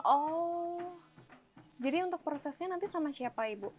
oh jadi untuk prosesnya nanti sama siapa ibu